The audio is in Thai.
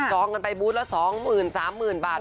ส่องกันไปบูธแล้ว๒๐๐๐๐๓๐๐๐๐บาท